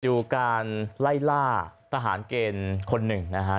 ดูการไล่ล่าทหารเกณฑ์คนหนึ่งนะฮะ